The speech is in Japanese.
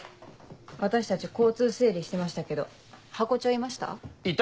私たち交通整理してましたけどハコ長いました？